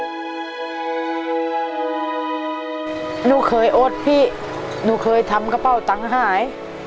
หนูเคยโอ๊ตพี่หนูเคยทำกระเป๋าตังค์หาย